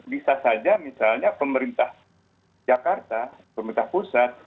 bisa saja misalnya pemerintah jakarta pemerintah pusat